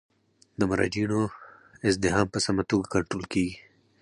د مراجعینو ازدحام په سمه توګه کنټرول کیږي.